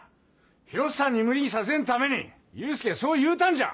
ひろっさんに無理させんために祐介はそう言うたんじゃ！